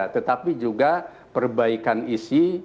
tetapi juga perbaikan isi